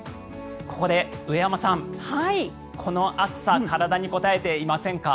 ここで上山さん、この暑さ体にこたえていませんか？